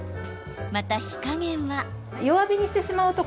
また、火加減は。